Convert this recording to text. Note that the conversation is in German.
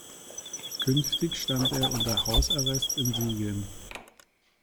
Künftig stand er unter Hausarrest in Siegen.